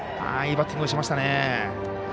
いいバッティングをしましたね。